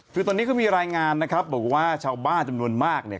คือตอนนี้ก็มีรายงานนะครับบอกว่าชาวบ้านจำนวนมากเนี่ย